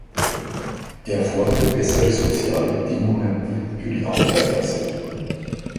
Er forderte bessere soziale Bedingungen für die Arbeiterklasse.